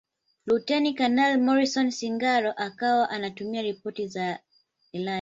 Luteni Kanali Morrison Singano akawa anatuma ripoti za ilani